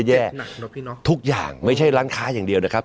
นักหนักเหรอพี่น้องทุกอย่างไม่ใช่ร้างค้าอย่างเดียวนะครับ